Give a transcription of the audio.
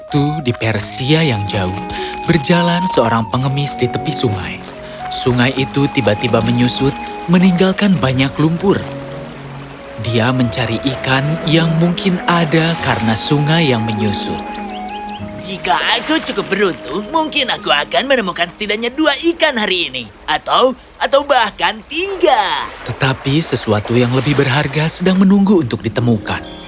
tetapi sesuatu yang lebih berharga sedang menunggu untuk ditemukan